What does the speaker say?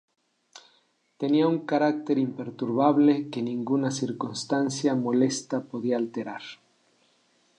Tenía un carácter imperturbable que ninguna circunstancia molesta podía alterar.